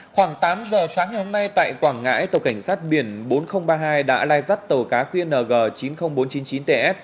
khoảng tám h sáng hôm nay tại quảng ngãi tàu cảnh sát biển bốn nghìn ba mươi hai đã lai rắt tàu cá khuyên ng chín mươi nghìn bốn trăm chín mươi chín ts